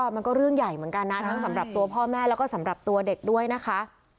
มันก็เรื่องใหญ่เหมือนกันนะทั้งสำหรับตัวพ่อแม่แล้วก็สำหรับตัวเด็กด้วยนะคะ